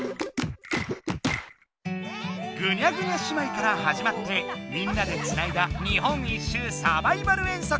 ぐにゃぐにゃ姉妹からはじまってみんなでつないだ日本一周サバイバル遠足！